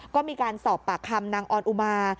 ก็มีการสอบปากคำนางออนอุมา